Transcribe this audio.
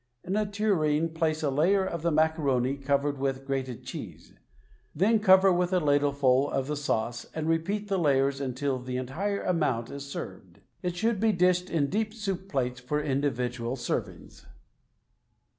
In a tureen place a layer of the macaroni covered with grated cheese; then cover with a ladleful of the sauce and repeat the layers until the entire amount is served. It should be dished in deep soup plates for individual servings.